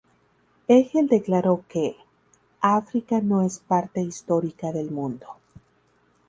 Hegel declaró que "África no es parte histórica del mundo".